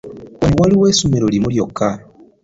Wano waliwo essomero limu lyokka.